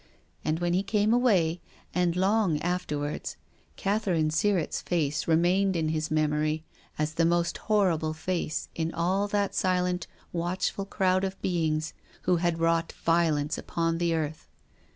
And when he came away, and long afterwards, Catherine Sirrett's face remained in his memory as the most horrible face in all that silent, watch ful crowd of beings who had wrought violence upon the earth.